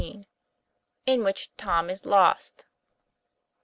IN WHICH TOM IS LOST.